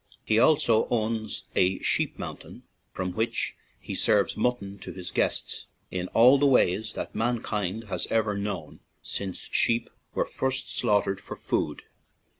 He also owns a sheep 70 LEENANE TO RECESS mountain, from which he serves mutton to his guests in all the ways that man kind has ever known since sheep were first slaughtered for food.